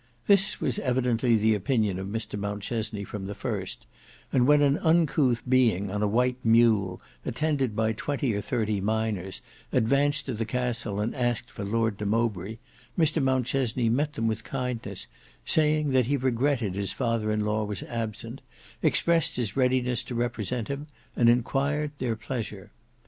This was evidently the opinion of Mr Mountchesney from the first, and when an uncouth being on a white mule, attended by twenty or thirty miners, advanced to the castle and asked for Lord de Mowbray, Mr Mountchesney met them with kindness, saying that he regretted his father in law was absent, expressed his readiness to represent him, and enquired their pleasure.